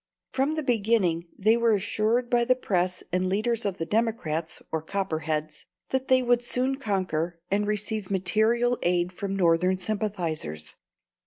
From the beginning they were assured by the press and leaders of the Democrats, or Copperheads, that they would soon conquer, and receive material aid from Northern sympathisers.